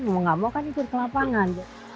mau gak mau kan ikut ke lapangan